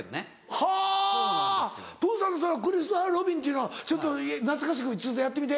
はぁ『プーさん』のそのクリストファー・ロビンっていうのちょっと懐かしくちょっとやってみて。